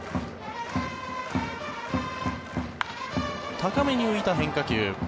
高めに浮いた変化球。